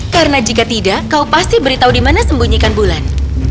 karena jika tidak kau pasti beritahu di mana sembunyikan bulan